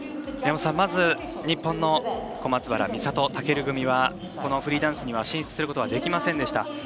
宮本さん、まず日本の小松原美里、尊組はこのフリーダンスには進出することはできませんでした。